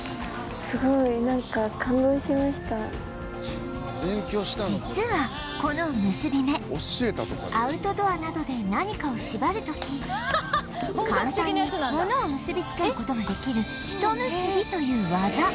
すごいなんか実はこの結び目アウトドアなどで何かを縛る時簡単に物を結び付ける事ができるひと結びという技